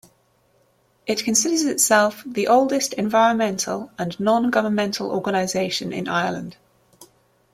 It considers itself the oldest environmental and non-governmental organisation in Ireland.